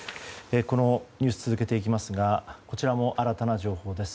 このニュース続けていきますがこちらも新たな情報です。